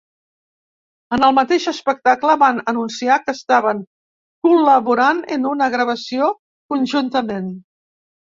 En el mateix espectacle van anunciar que estaven col·laborant en una gravació conjuntament.